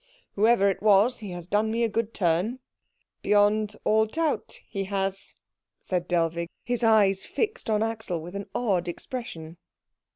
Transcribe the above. Whoever it was, he has done me a good turn." "Beyond all doubt he has," said Dellwig, his eyes fixed on Axel with an odd expression.